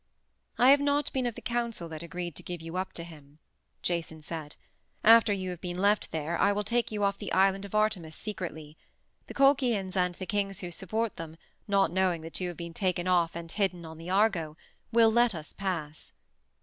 "I have not been of the council that agreed to give you up to him," Jason said. "After you have been left there I will take you off the island of Artemis secretly. The Colchians and the kings who support them, not knowing that you have been taken off and hidden on the Argo, will let us pass."